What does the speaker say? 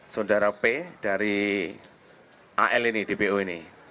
saudara p dari al ini dpo ini